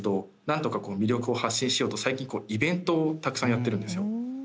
なんとか魅力を発信しようと、最近イベントをたくさんやってるんですよ。